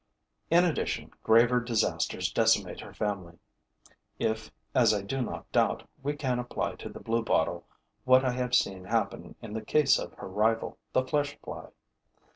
In addition, graver disasters decimate her family, if, as I do not doubt, we can apply to the bluebottle what I have seen happen in the case of her rival, the flesh fly.